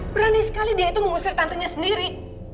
berani sekali dia itu mengusir tantenya sendiri